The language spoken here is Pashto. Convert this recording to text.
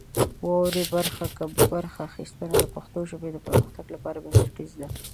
د واورئ برخه کې برخه اخیستنه د پښتو ژبې د پرمختګ لپاره بنسټیزه ده.